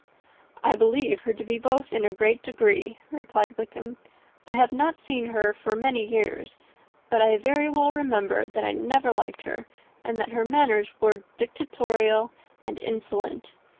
"I believe her to be both in a great degree," replied Wickham; "I have not seen her for many years; but I very well remember that I never liked her, and that her manners were dictatorial and insolent.